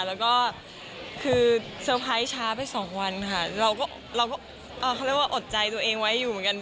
แล้วก็คือเซอร์ไพรส์ช้าไปสองวันค่ะเราก็เขาเรียกว่าอดใจตัวเองไว้อยู่เหมือนกัน